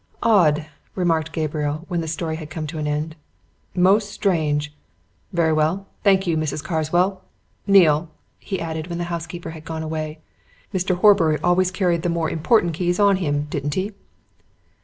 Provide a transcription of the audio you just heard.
"Odd!" remarked Gabriel, when the story had come to an end. "Most strange! Very well thank you, Mrs. Carswell. Neale," he added, when the housekeeper had gone away, "Mr. Horbury always carried the more important keys on him, didn't he?"